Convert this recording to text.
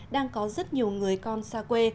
đang có rất nhiều người con xa quê